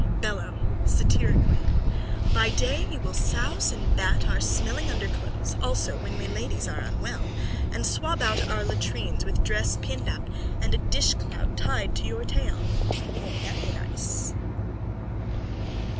_ BELLO: (Satirically.) By day you will souse and bat our smelling underclothes also when we ladies are unwell, and swab out our latrines with dress pinned up and a dishclout tied to your tail. Won't that be nice?